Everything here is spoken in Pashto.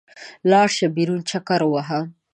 لاړ شه، بېرون چکر ووهه.